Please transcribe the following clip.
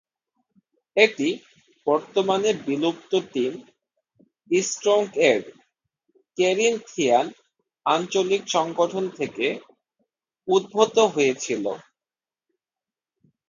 এটি বর্তমানে বিলুপ্ত টিম স্ট্রংক এর ক্যারিনথিয়ান আঞ্চলিক সংগঠন থেকে উদ্ভূত হয়েছিল।